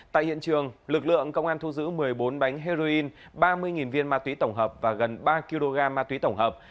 tại hiện trường lực lượng công an thu giữ một mươi bốn bánh heroin ba mươi viên ma túy tổng hợp và gần ba kg ma túy tổng hợp